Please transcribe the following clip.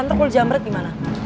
nanti kalau jam berat gimana